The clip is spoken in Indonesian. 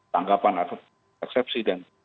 tanggapan atau eksepsi dan